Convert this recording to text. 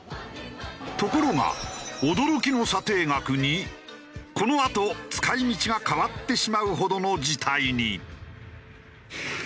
ところが驚きの査定額にこのあと使い道が変わってしまうほどの事態に。